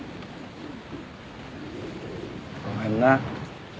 ごめんな。